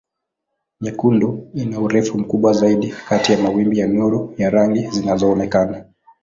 Nyekundu ina urefu mkubwa zaidi kati ya mawimbi ya nuru ya rangi zinazoonekana.